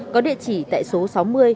có địa chỉ tại số sáu